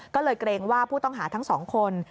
ก็เลยเกรงว่าผู้ต้องหาทั้งสองคน